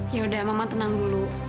yaudah mama tenang dulu